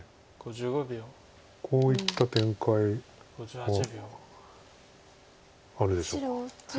こういった展開があるでしょうか。